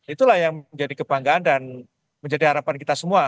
itulah yang menjadi kebanggaan dan menjadi harapan kita semua